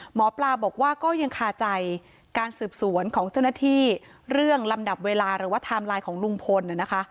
หมอปลาบอกว่าก็ยังคาใจการสืบสวนของเจ้าหน้าที่เรื่องลำดับเวลาหรือว่าไทม์ไลน์ของลุงพล